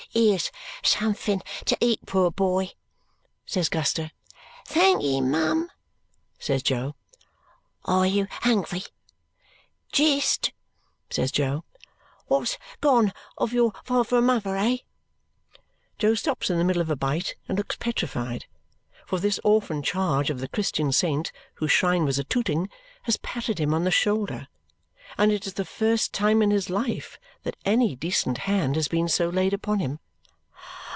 "Here's something to eat, poor boy," says Guster. "Thank'ee, mum," says Jo. "Are you hungry?" "Jist!" says Jo. "What's gone of your father and your mother, eh?" Jo stops in the middle of a bite and looks petrified. For this orphan charge of the Christian saint whose shrine was at Tooting has patted him on the shoulder, and it is the first time in his life that any decent hand has been so laid upon him.